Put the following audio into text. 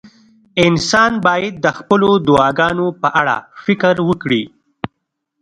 انسان باید د خپلو دعاګانو په اړه فکر وکړي.